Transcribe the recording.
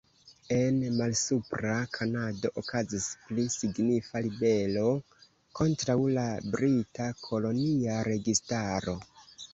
En Malsupra Kanado okazis pli signifa ribelo kontraŭ la brita kolonia registaro.